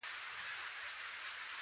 د قانون ماتول سزا لري.